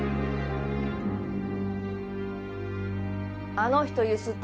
あの人ゆすって